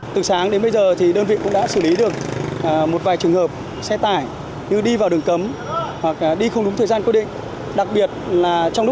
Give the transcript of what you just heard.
từ sáng đến bây giờ thì đơn vị cũng đã xử lý được một vài trường hợp xe tải như đi vào đường cấm hoặc đi không đúng thời gian quy định